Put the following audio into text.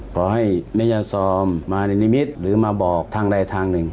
ขอให้แม่ยาซอมมาในนิมิตรหรือมาบอกทางใดทางหนึ่ง